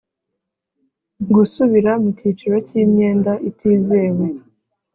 gusubira mu cyiciro cy imyenda itizewe